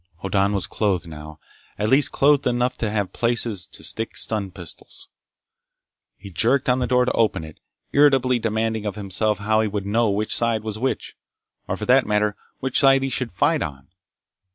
Hoddan was clothed, now—at least clothed enough to have places to stick stun pistols. He jerked on the door to open it, irritably demanding of himself how he would know which side was which, or for that matter which side he should fight on.